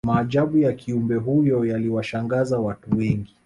maajabu ya kiumbe huyo yaliwashangaza watu wengi